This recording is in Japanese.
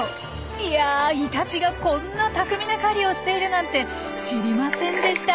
いやイタチがこんな巧みな狩りをしているなんて知りませんでした。